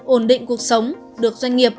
ổn định cuộc sống được doanh nghiệp